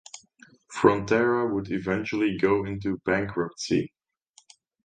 "Frontera" would eventually go into bankruptcy.